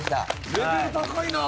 レベル高いなあ。